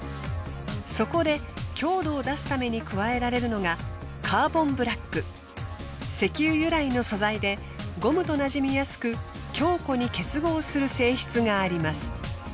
そこで強度を出すために加えられるのが石油由来の素材でゴムとなじみやすく強固に結合する性質があります。